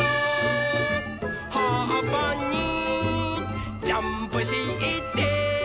「はっぱにジャンプして」